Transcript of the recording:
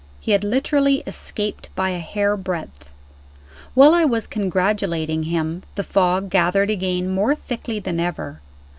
He had literally escaped by a hair breadth. While I was congratulating him, the fog gathered again more thickly than ever.